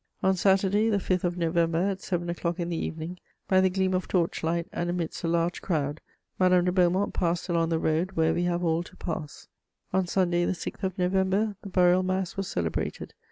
On Saturday the 5th of November, at seven o'clock in the evening, by the gleam of torch light and amidst a large crowd, Madame de Beaumont passed along the road where we have all to pass. On Sunday the 6th of November, the burial mass was celebrated.